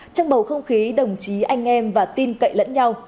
trong bầu không khí đồng chí anh em và tin cậy lẫn nhau